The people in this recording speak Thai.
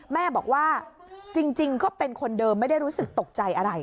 แม่บอกว่าจริงก็เป็นคนเดิมไม่ได้รู้สึกตกใจอะไร